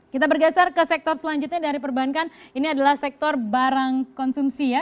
kita bergeser ke sektor selanjutnya dari perbankan ini adalah sektor barang konsumsi ya